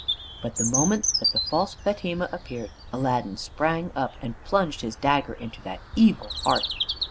But the moment that the false Fatima appeared Aladdin sprang up and plunged his dagger into that evil heart.